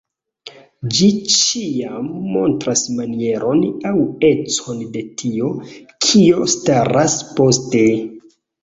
Ĝi ĉiam montras manieron aŭ econ de tio, kio staras poste.